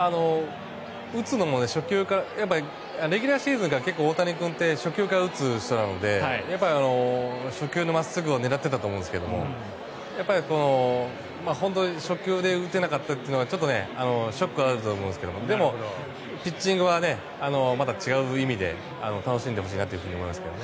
打つのも初球からレギュラーシーズンから大谷君って初球から打つ人なので初球の真っすぐを狙ってたと思うんですけど本当に初球で打てなかったというのはちょっとショックがあると思うんですがでも、ピッチングはまた違う意味で楽しんでほしいなと思いますけどね。